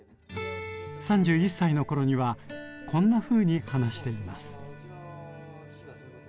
３１歳のころにはこんなふうに話しています。